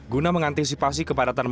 guna mengantisipasi kepadatan masa